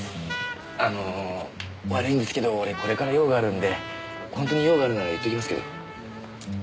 あの悪いんですけど俺これから用があるんで本当に用があるなら言っときますけど。